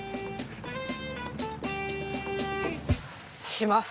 します。